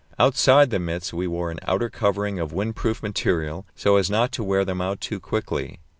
Outside the mits we wore an outer covering of windproof material, so as not to wear them out too quickly.